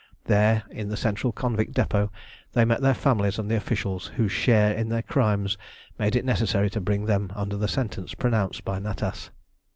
There, in the Central Convict Depot, they met their families and the officials whose share in their crimes made it necessary to bring them under the sentence pronounced by Natas.